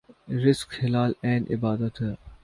رزق حلال عین عبادت ہے